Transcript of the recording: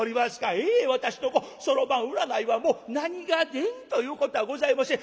ええ私のそろばん占いはもう何が出んということはございません。